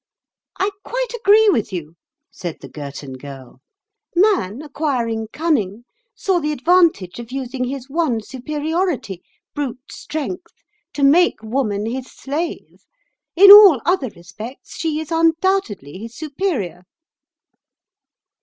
"I quite agree with you," said the Girton Girl. "Man, acquiring cunning, saw the advantage of using his one superiority, brute strength, to make woman his slave. In all other respects she is undoubtedly his superior."